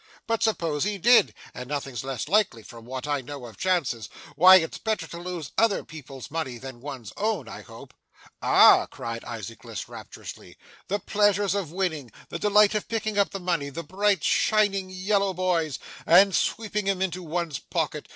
'But suppose he did (and nothing's less likely, from all I know of chances), why, it's better to lose other people's money than one's own, I hope?' 'Ah!' cried Isaac List rapturously, 'the pleasures of winning! The delight of picking up the money the bright, shining yellow boys and sweeping 'em into one's pocket!